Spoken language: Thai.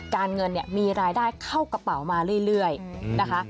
การเงินเนี่ยมีรายได้เข้ากระเป๋ามาเรื่อยนะคะ